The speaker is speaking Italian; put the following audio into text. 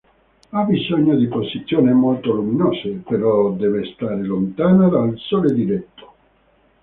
Ha bisogno di posizioni molto luminose, però deve stare lontana dal sole diretto.